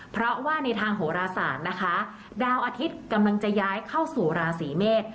เพราะว่าในทางโหราศาสตร์นะคะดาวอาทิตย์กำลังจะย้ายเข้าสู่ราศีเมษ